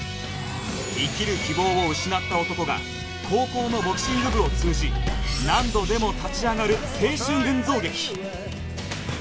生きる希望を失った男が高校のボクシング部を通じ何度でも立ち上がる青春群像劇